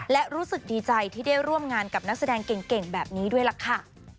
และรู้สึกดีใจที่ได้ร่วมงานกับนักแสดงเก่งแบบนี้ด้วยล่ะค่ะ